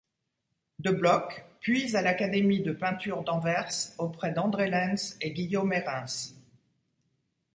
De Blocq, puis à l'académie de peinture d'Anvers auprès d'André Lens et Guillaume Herreyns.